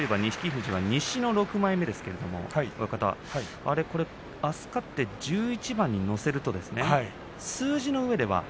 富士は西の６枚目ですがあす勝って１１番に乗せると数字のうえでは。